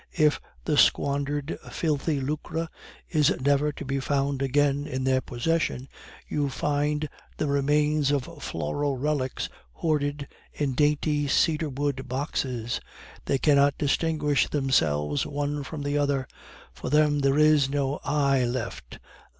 If the squandered filthy lucre is never to be found again in their possession, you find the remains of floral relics hoarded in dainty cedar wood boxes. They cannot distinguish themselves one from the other; for them there is no 'I' left.